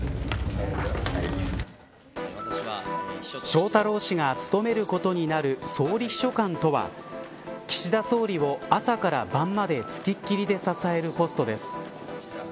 翔太郎氏が務めることになる総理秘書官とは岸田総理を朝から晩までつきっきりで支えるポストです。